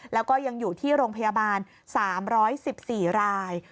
แล้วก็ยังอยู่ที่โรงพยาบาล๓๑๔ราย